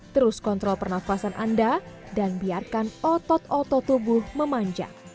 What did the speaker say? terus kontrol pernafasan anda dan biarkan otot otot tubuh memanjang